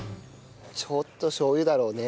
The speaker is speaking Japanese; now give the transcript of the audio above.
ちょっとしょう油だろうね。